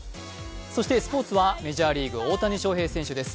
そしてスポーツはメジャーリーグ大谷翔平選手です。